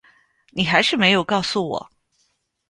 你还是没有告诉我